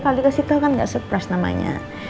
kalau dikasih tau kan gak surprise namanya